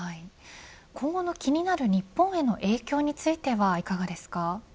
今後の気になる日本への影響については、いかがですか。